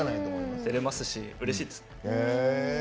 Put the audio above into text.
てれますしうれしいです。